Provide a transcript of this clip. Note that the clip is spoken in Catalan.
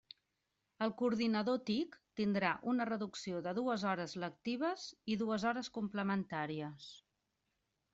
El coordinador TIC tindrà una reducció de dues hores lectives i dues hores complementàries.